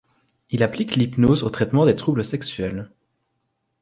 Il applique l'hypnose au traitement des troubles sexuels.